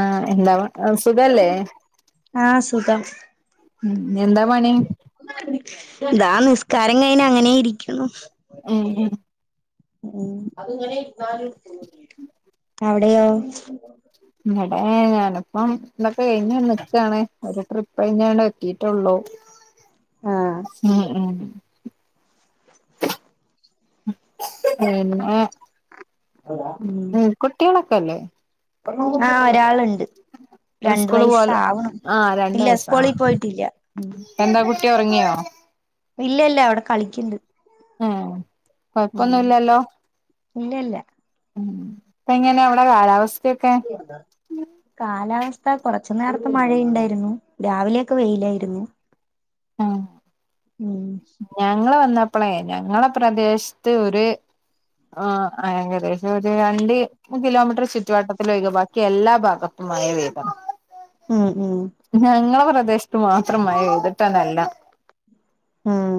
ആ എന്താ സുഖല്ലേ ആ സുഖം ഉം എന്താ പണി ഇതാ നിസ്കാരം കിഞ്ഞ അങ്ങനെ ഇരിക്കുന്നു ഉം ഉം ഉം അത്ങ്ങനെ ഇന്നാല് അവിടെയോ വിടെ ഞാനിപ്പം എന്തൊക്കെ കഴിഞ്ഞുക്കാണ് ഒരു ട്രിപ്പ്പഴിഞ്ഞാണ്ട് എത്തീട്ടുള്ളു ആഹ് ഉം ഉം ഉം പിന്നെ ഉം കുട്ടികളൊക്കെല്ലേ ആഹ് ഒരാളുണ് [unintelligible] സ്കൂള് പോല ആ രണ്ട ഇല്ല വയസാ സ്കൂളിൽ പോയിട്ടില്ല എന്താ കുട്ടി ഉറങ്ങിയോ [inaudible] ഇല്ല ഇല്ല അവിടെ കളികിണ്ട് ആ കൊഴപ്പൊന്നുല്യല്ലോ ഇല്ല ഇല്ല ഉം അപ്പ എങ്ങനെയവിടെ കാലാവസ്ഥ കാലാവസ്ഥ കൊറച്ച് നേരത്തെ മഴയുണ്ടായിരുന്നു രാവിലെയൊക്കെ വെ്യിലായിരുന്നു. ആ ഞങ്ങള് വന്നപ്പോളെ ഞങ്ങള പ്രദേശത്ത് ഒരു ആ ഏകദേശം ഒരു രണ്ട് കിലോമീറ്റർ ചുറ്റുുവട്ടത്തിലോഴികെ ബാ ക്കി എല്ലാ ഭാഗത്തുമയ വേദം ഉം ഉം ഞങ്ങള ശ മാത്രമായി മഴ പെയ്തിട്ടന്നല്ല ഉം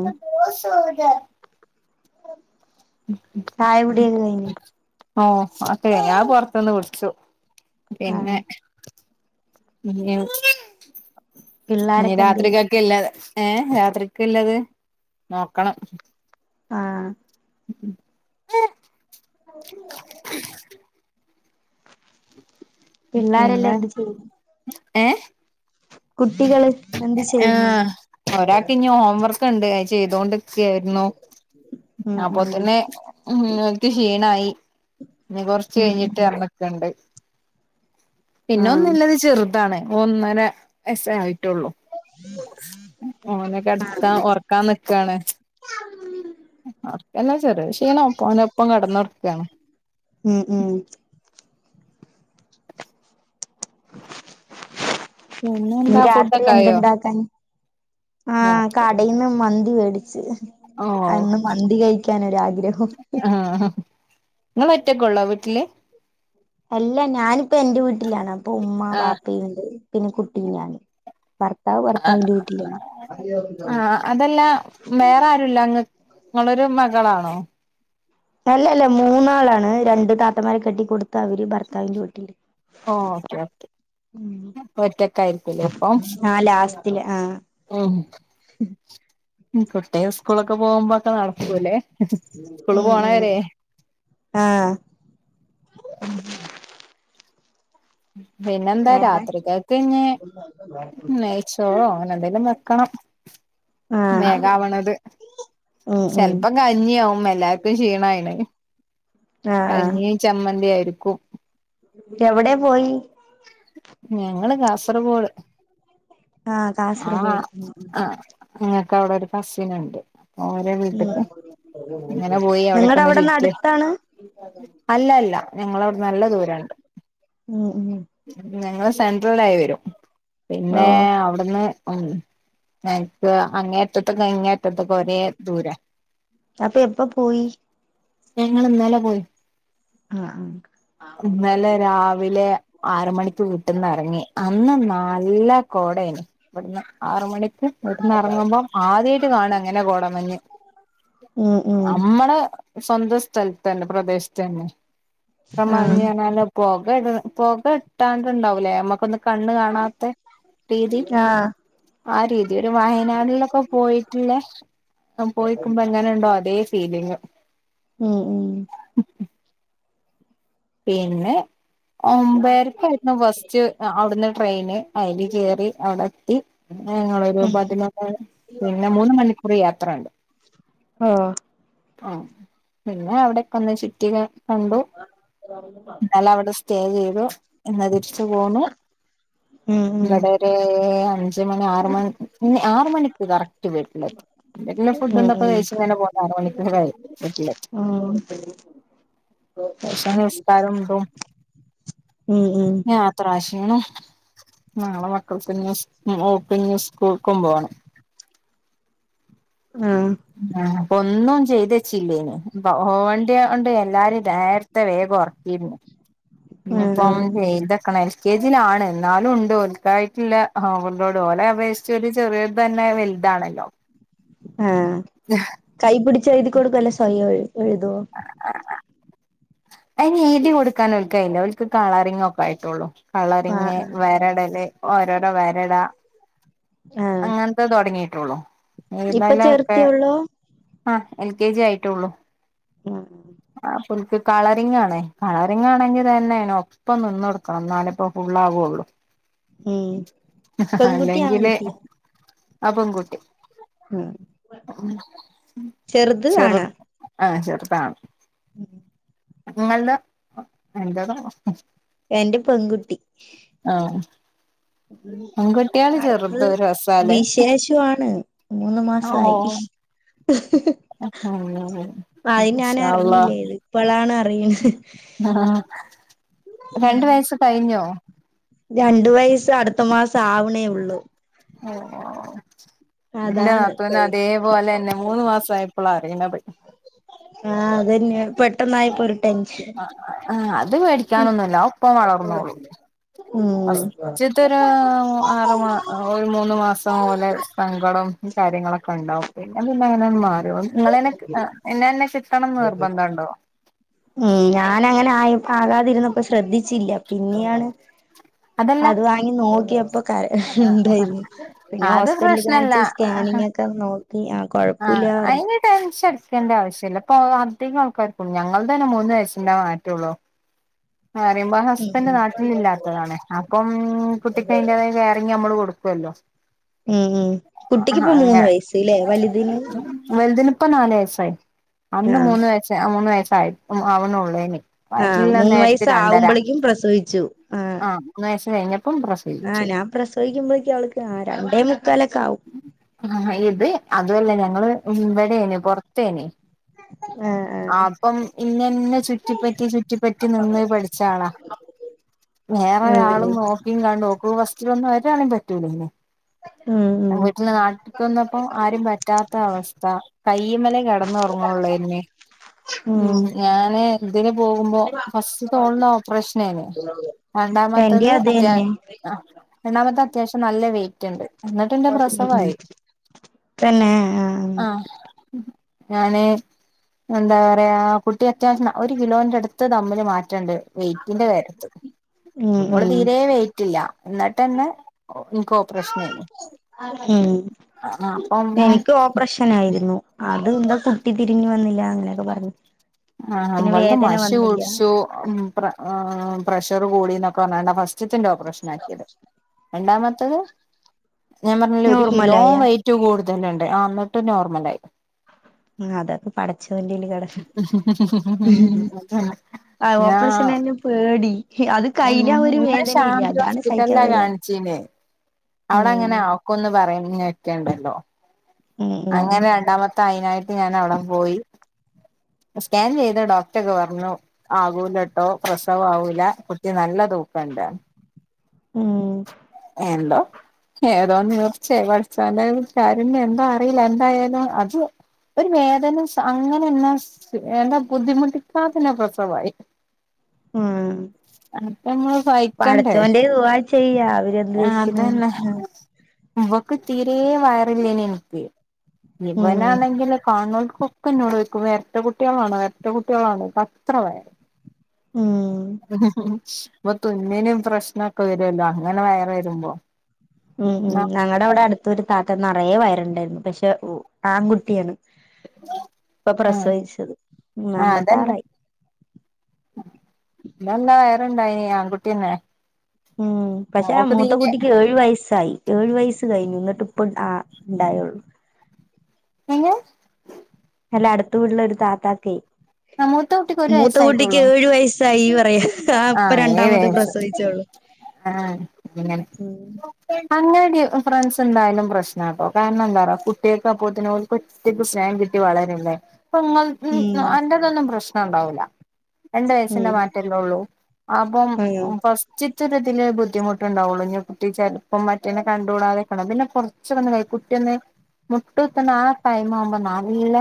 ചായ കുടി യെ കഴിഞ്ഞു ഓ അക്കെ ഞാ പൊറുത്തുന്നു കുടിച്ചു പിന്നെ ആഹ് പിന്യോ നി പിള്ളാരൊക്കെ എന്ത് ചെയ്യും രാത്രികൾക്കല്ലാതെ ഏ ഹ് രാത്രിക്കില്ലത് നോക്കണം ആഹ് മ് [unintelligible] പിള്ളാരല്ലാം പിന്നെ എന്ത് ചെയ്യും ഏഹ് കുട്ടികള് എന്ത് ആ ചെയ്യുന്നു ഒരാൾക്ക് ഇനി ഹോംവർക്ക് ഉണ്ട് ചെയ്തൊണ്ടിക്കെയായിരുന്നു ഉം അപ്പൊ ഉം തന്നെ മ് നിങ്ങൾക്ക് ക്ഷീണായി ഇനി കൊറച്ച് ഉം കഴിഞ്ഞിട്ട് ഉം ഇറണക്കണ്ട് പിന്നെ ആഹ് ഒന്നില്ലത് ചെറുതാണ് ഒന്നര വയസ്സായി ട്ടോള്ളൂ ഓനക്കെടാത്താൻ ഉറക്കാൻ നിക്കാണ് അവർക്കല്ലാം ചെറിയ ക്ഷീണംഒപ്പോ അവനൊപ്പം കിടന്നോടക്കാണ് ഉം ഉം പിന്നെ എന്താ [inaudible] രാത്രി ഫുഡൊക്കെ ആയോ എന്ത്ണ്ടാക്കാൻ ആഹ രാത്രി കടയിന്ന് മന്തി മേടിച്ചു ഓ കഴിക്കാനൊരാഗ്രഹം ഹെ ഹ് നിങ്ങൾ ഒറ്റയ്ക്കോള്ളോ വീട്ടില് അല്ല ഞാനിപ്പ എന്റെ വീട്ടിലാണ് അപ്പൊ ഉമ്മ ആഹ് വാപ്പയണ്ട് പിന്നെ കുട്ടീഞാനും ആ ആഹ അതല്ല വേറെ ആരുല്ല നിങ്ങൾക്ക് നിങ്ങളൊരു മകളാണോ അല്ലല്ലാ മൂന്നാളാണ് രണ്ട് താത്തമാരെ കെട്ടികോടുത്ത് അവർ ഭർത്താവിന്റെ വീട്ടിൽ ഓ ഓക്കെ ഓക്കെ ഒറ്റക്ക ആയിരിക്കലേ ഇപ്പം ആഹ് [inaudible] കുട്ടിയ സ്കൂളൊക്കെ പോകുമ്പോക്കെ നടക്കൂല്ലേ സ്കൂൾ പോണവരെ ആഹ ഉം [unintelligible] പിന്നെന്താ വേറെ രത്രികക്ക് ഇഞ് നെയച്ചോറോ എന്തേലും വെക്കണം ആഹ് വേഗാവണത് ഉം ഉം ചെലപ്പം കഞ്ഞി ആവും എല്ലാർക്കും ക്ഷീണായിന് ആഹ് ആഹ് കഞ്ഞീ ചമ്മന്തി ആയിരിക്കും എവിടെ പോയി ഞങ്ങള് കാസർഗോഡ് ആഹ് ആ കാസർഗോഡ് ഉം ആ ഞങ്ങക്കവിടൊരു കസിനെണ്ട് ഓരോ ഉം വീട്ടക്ക് ഇങ്ങനെ പോയി നിങ്ങടെ അവിടെന്ന് അവിടേക്കെഒന്ന്ചുറ്റി അടുത്താണ് അല്ലല്ല ഞങ്ങളവിടെന്ന് നല്ല ദൂരണ്ട് ഉം ഉം ഞങ്ങൾ സെൻട്രൽ ആയി വരും ഓ പിന്നെ അവിടുന്ന് എ ഉം എനിക്ക് അങ്ങേഅറ്റത്ത് നിന്ന് ഇങ്ങേ റ്റത്തേക്ക് ഒരേ ദൂര അപ്പൊ എപ്പ പോയി ഞങ്ങളിന്നലെ പോയി ആഹ് ആഹ് ഇന്നലെ രാവിലെ ആറ് മണിക്ക് വീട്ടെന്ന് ഇറങ്ങി അന്ന് നല്ല കോടേന് ഇവിടുന്ന് ആറ് മണിക്ക് ഇവിടന്ന് ഇറങ്ങുമ്പോം ആദ്യമായിട്ട് കാണാ ഇങ്ങനെ കോടമഞ്ഞ് ഉം ഉം നമ്മടെ സ്വന്തം സ്ഥലത്തന്നെ പ്രദേശത്ത് തന്നെ അത്ര ആഹ് മഞ്ഞ്നല് പൊക ഇട പൊക ഇട്ടണ്ട്ണ്ടാവുല്ലേ നമ്മക്കൊന്ന് കണ്ണ് കാണാത്ത രീതി ആഹ് ആ രീതി ഒരു വയനാടിലൊക്കെ പോയിട്ടിള്ള പോയിക്കുമ്പോ എങ്ങനെണ്ടോ അതേ ഫീലിങ് ഉം ഉം പിന്നെ ഒമ്പരക്കായിരുന്നു ഫസ്റ്റ് അവിടുന്ന് ട്രെയിന് അതിൽ കേറി അവിടെ എത്തി ഞങ്ങളൊരു ഉം പതിനൊന്ന് പിന്നെ മൂന്ന് മണിക്കൂർ യാത്രണ്ട് ആ ആ പിന്നെ അവിടെക്കെ ഒന്ന് ചുറ്റി കണ്ടു ഇന്നലവിടെ സ്റ്റേ ചെയ്തു ഇന്ന് തിരിച്ചു പോന്നു ഉം ഉം ഇവടെ ഒരു അഞ്ച് മണി ആറ് മണിക്ക് മുന്നേ ആറ് മണിക്ക് കറക്റ്റ് വീട്ടിലെത്തും എന്തെങ്കിലും ഉം ഫുഡുണ്ട്നോതൊക്കെ കഴിച്ചു പോന്നാൽ അര മണിക്കൂർ കഴിയും വീട്ടിലെത്തും ഉം [unintelligible] നിസ്കാരം [unintelligible] ഉം ഉം ഉം മൂന്ന് ഞങ്ങളെ മക്കൾ പിന്നെ [unintelligible] സ്കൂൾ [unintelligible] ആഹ് ആഹ് പൊ ഒന്നും ചെയ്ത് വെച്ചില്ലേനു. പോവണ്ടിയേം കൊണ്ട് എല്ലാരും നേരത്തെ വേഗം ഒറക്കിയിരുന്നു. ആഹ് ആഹ് [unintelligible] കെ. ജി. യിലാണ് എന്നാലും ഒണ്ട്. ഓൽക്കായിട്ടില്ല ഓവർലോഡ് ഓലെ അപേക്ഷിച്ച് ചെറിയത് തന്നെ വ ഇതാണല്ലോ. ആഹ് കൈ പിടിച്ച് എഴുതി കൊടുക്കൊ അല്ലെ സ്വയം എഴുതുവോ? അയ്ന് എഴുതി കൊടുക്കാൻ ഓൽക്കായില്ല ഓൽക്ക് കളറിങ്ങൊക്കെ ആയിട്ടുള്ളു. കളറിങ്ങ് ആഹ് വരടല് ഓരോരോ വരയിട ആഹ് അങ്ങനത്തെ തൊടങ്ങീ [unintelligible] ഇപ്പൊ അതൊക്കെ ചേർത്തിയൊള്ളോ ആഹ് എൽ. കെ. ജി ആയിട്ടുള്ളൂ. ആഹ് അ ആ പുള്ളിക്ക് കളറിങ്ങാണ്. കളറിങ്ങാണെങ്കി തന്നെയതിന് ഒപ്പം നിന്നു കൊടുക്കണം എന്നാലിപ്പോ ഉണ്ടാകൊള്ളു ഉം പെൺകുട്ടിയാ അല്ലെങ്കില് ആൺകുട്ടിയാ ആഹ് പെങ്കുട്ടി. ചെറുത് ചെറു ആഹ് ചെറുതാണ്. ഉം നിങ്ങളുടെ എന്താണ്? രണ്ട് പെൺകുട്ടി പെൺകുട്ടിയള് ചെറുത് അടുത്തത് രസാലേ വിശേഷമാണ് ആഹ് [inaudible] ആദ്യം മാഷാ ഞാനറിഞ്ഞില്ല അല്ലാഹ് ഇത് ഇപ്പളാണ് അറിയുന്നത്. ആഹ് രണ്ട് വയസ് കഴിഞ്ഞോ? രണ്ട് വയസ് അടുത്ത മാസം ആവണേ ഉള്ളു. പിന്ന അതാണ് പിന്ന ദേവു അല്ലേ എന്നെ മൂന്നുമാസായിപൊള്ള ആ അതന്നെ പെട്ടെന്നായിപ്പൊരു ടെൻഷൻ ആഹ് അത് പേടിക്കാനൊന്നുമല്ല ഒപ്പം വളർന്നോളും ഉം ഫസ്റ്റത്തൊരു ആറ് ആറ് മാ ഒരു മൂന്ന് മാസം പോലെ സങ്കടം [unintelligible] [unintelligible] നിർബന്ധണ്ടോ? ഉം ഞാനങ്ങനായി ഇപ്പ ആകാതിരുന്നപ്പ ശ്രദ്ധിച്ചില്ല പിന്നിയാണ് അതല്ല അത് വാങ്ങി നോക്കിയപ്പോ കര ഇണ്ടായിരുന്നു പിന്നെ അത് ഹോസ്പിറ്റലിൽ പ്രശ്നല്ല കാണിച്ച് സ്കാനിങ് ഒക്കെ നോ ആഹ് അയിന് ടെൻഷടിക്കേണ്ട ആവശ്യില്ല. പ്പൊ അധികം ആൾക്കാർക്കും ഞങ്ങൾ തന്നെ മൂന്ന് വയസ്സിന്റ മാറ്റൊള്ളൂ. ന്ന് പറയുമ്പ ഉം ഹസ്ബൻഡ് നാട്ടിലില്ലാത്തതാണ്. അപ്പം കുട്ടിക്ക് അതിന്റേതായ കെയറിങ് നമ്മള് കൊടു വല്ലോ ഉം ഉം കുട്ടിക്കിപ്പ മൂന്ന് വയസ്സ് ല്ലേ വലുതിന് [unintelligible] വലുതിന് ഇപ്പ നാല് വയസ്സായി. അന്ന് ആഹ് മൂന്ന് വയസ മൂന്ന് വയസ്സായി ആവുന്നെ ഉള്ളേനി. ആഹ് മൂന്ന് വയസ്സാവുമ്പളേക്കും പ്രസവിച്ചു ആഹ്. [unintelligible] ആഹ് പ്രസവിച്ചു ഞാൻ പ്രസവിക്കുമ്പോഴേക്കും അവൾക്ക് ആ രണ്ടേ മു ആ ഇത് അതുവല്ല ഞങ്ങള് ഇവിടേനി പുറത്തേനി. ആഹ് ആ ആഹ് അപ്പം ഇന്നന്നെ ചുറ്റിപ്പറ്റി ചുറ്റിപ്പറ്റി നിന്ന് പഠിച്ചാളാ. വേറെ ഒരാളു ആഹ് നോക്കിയും കണ്ടും ഓക്ക് ഫസ്റ്റില് വന്ന ഒരാളേം പറ്റൂല്ലന്നെ ഉം ഉം വീട്ടിലെ നാട്ടിൽ വന്നപ്പോം ആരും പറ്റാത്ത അവസ്ഥ കയ്യിമലെ കിടന്ന ഉറങ്ങുള്ളോർന്നു ഉം ഞാന് ഇതിന് പോകുമ്പോ ഫസ്റ്റ് തോളിന് ഓപ്പറേഷനായിനി. രണ്ടാമത്തത് എന്റെയും അത്യാ രണ്ടാമത്തെ അത്യാവശ്യം നല്ല വെയിറ്റ് ഉണ്ട് [unintelligible] അത് തന്നെ ഉം പ്രസവമായി തന്നെ ആഹ് ആഹ ഞാന്. എന്താ പറയാ കുട്ടി അത്യാവശ്യം ഒരു കിലോന്റെ അടുത്ത് തമ്മില് മാറ്റെണ്ട്. വെയിറ്റിന്റെ കാര്യത്ത് ഉം നമ്മള് ഉം തീരെ വെയിറ്റില്ല എന്നിട്ട് തന്നെ ഇനിക്കോപ്പ്രേശ്നായിന്നു ഉ അപ്പം എനിക്കു ഓപ്പറഷൻ ആയിരുന്നു എന്താ കുട്ടി തിരിഞ്ഞു വന്നില്ല അങ്ങനെയൊക്കെ പറഞ്ഞ് ആ ഇവളത് മശി കുടിച്ചു ഉം പ്ര ആ പ്രഷർ കൂടിന്നൊക്കെ പറഞ്ഞാ ഫസ്റ്റത്തിന്റെ ഓപ്പറേഷൻ ആക്കിയത് രണ്ടാമത്തത് ഞാൻ പറഞ്ഞില്ല ഒരു കിലോ നോർമലായ വെയ്റ്റ് കൂടു തലെണ്ട് എന്നിട്ട് നോർമലായി ആ അതൊക്കെ പടച്ചവന്റെല് കട ആ ഞാ ഓപ്പറേഷൻന്നായിരുന്നു പേടി അത് കയ്യില ഒരു ഇന്നലെ വേദനയില്ലേ ശാന്തി അതാണ് സഹിക്കാൻ ഹോസ്പിറ്റലിലാ വയ്യത്തെ കാണിച്ചീനെ അവിടെ അങ്ങനെ ആക്കോന്ന് പറയന്ന്കേക്ക്‌ണ്ട് ണ്ടൊ ഉം ഉം അങ്ങനെ രണ്ടാമത്തെ അയിനായിട്ട് ഞാൻ അവിട പോയി സ്കാൻ ചെയ്ത ഡോക്ടർ ഒക്കെ പറഞ്ഞു കണ്ട ഉം എല്ലോ ഏതോ നേർച്ചയായി പഠിച്ചവന്റെ ഒരു കരുണ്യം എന്തോ അറിയില്ല എന്തായാലും അത് ഒരു വേദന സങ്ങനെ എന്നാ എന്താ ബുദ്ധിമുട്ടിക്കാത്തന്നെ പ്രസവായി ഉം അപ്പങ്ങള് വായിക്കണ്ടേ പടച്ചോന്റെ ദുആ ചെയ്യാ അവരെന്ത് ആ വെക്കണന്ന് അതന്നെ ഇവക്ക് തീരെ വയറില്ലേന നിക്കെ ഉം ഇവനാണെങ്കിൽ കാണോൾ പൊക്ക എന്നോട് വെക്കും വരട്ട കുട്ടികളാണ്ോ വരട്ട കുട്ടികളാാണ് അത്ര വേര് ഉം മ ഇന്നേനേം പ്രശ്ന വരുല്ലോ അങ്ങനെ വേറെ വരുമ്പോ ഉം ഉം ആ ഞങ്ങളുടെ അവിടെ അടുത്തരു താത്ത നിറയ പേരുണ്ടായിരുന്നു പക്ഷെ ആൺകുട്ടിയാണ് ഇപ്പൊ ആഹ് പ്രസവിച്ചത് ഉ അമ്പത്താറായി ഇല്ലാ വയറണ്ടായി ആൺകുട്ടിന്നെ ഉം പക്ഷെ മൂത്ത കുുട്ടിക്ക് ഏഴു വയസ്സായി ഏഴു വയസ്സ് കഴിഞ്ഞുിട്ട ട്ടിപ്പം ആ ഉണ്ടായുള്ളൂ പിന അല്ല അടുത്ത വീട്ടില ഒരു താത്താക്കൈ മൂത്ത കുട്ടിക്ക്ൊ ഒരു വയസായിട്ടുള്ളൂ ഏഴു വയസ്സായി പറയാ ആ ഇപ്പൊ ഏഴ്യ രണ്ടാമത് പ്രസവിച്ചോളൂ ആഹ അെ ഉം അങ്ങട ഫ്രണ്ട്സ് എന്തായാലും പ്രശ്നം കേട്ടോ കാരണം എന്താറാ കുട്ടികക്ക അപ്പത്തിന കുറ്റക്ക് സ്നേം കിട്ടി വളരല്ലേ അപ്പൊ നിങ്ങൾ ഉം അന്റെറതൊന്നും പ്രശ്നം ഉണ്ടാവൂില്ല രണ്ട വയസിന്റെ ഉം മാറ്റല്ലേ ഉള്ളൂ അപ്പം അങ്ങനെ ഫസ്റ്റ് ഒറ്റൊരിതിൽ ബുദ്ധിമുട്ടുണ്ടാവുള്ളൂ കുട്ടി ചിലപ്പം മറ്റേന്നെ കണ്ടുകൂടാതെക്ക പിന്നെറച്ച് മുട്ടത്തന പൈമ്പ നള ഇല്ല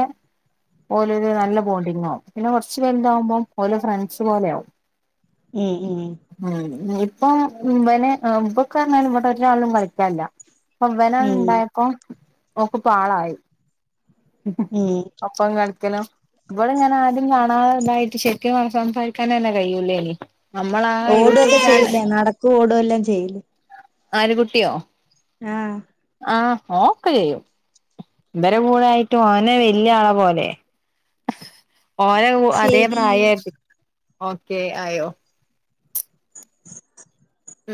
ഓലരു നല്ല ബോണ്ടിങ് ആകും പിന്നെ കുറച്ചു പേര്ന്താാവുമ്പോം ഓലെ ഫ്രണ്ട്സ് പോലെ ആകും ഉം ഉം ഇപ്പൊനെ ഇപ്പൊക്കറഞ്ഞാലും ഇോട്ട ഒരാളും കളിക്കില്ല പൊവന ഉം ഇണ്ടായപ്പോ നോക്കപ്പോാളായി ഉം ഒപ്പ കളിക്കലും ഇവിടെ ഇങ്ങനെ കാണാതായിട്ട് ശരിക്കും സംസാരിക്കാനൻ തന്നെ കഴിയൂലേനി നമ്മളാ യൂട്യൂബ് ഓടൊക്കെ ചാനൽ ചെയ്യിലേ നടക്കും ഓട എല്ലാം ചെയ്യിലേ ആന കുുട്ടിയോ ആഹ ആഹ ഓക്ക ചെയ്യും ഇവരെ കൂടൊയിട്ട് ഓനെ വല്ിയ ആളെ പോലെ ഓര അതേ ശരി പ്രായമായിരിക്ക ഓക്കെ ആയോ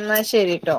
ന്നാ ശെരിട്ടോ